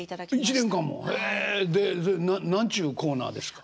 でそれ何ちゅうコーナーですか？